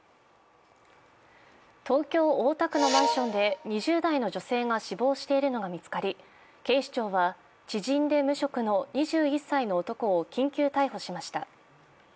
東京・大田区のマンションで２０代の女性が死亡しているのが見つかり警視庁は知人で無職の２１歳の男を緊急逮捕しました。